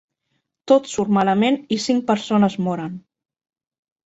Tot surt malament i cinc persones moren.